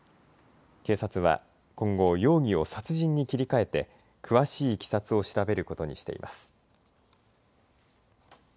警察は今後、容疑を殺人に切り替えて詳しいいきさつを調べることにしています。